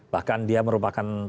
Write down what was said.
bahkan dia merupakan